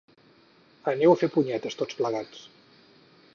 Aneu a fer punyetes tots plegats.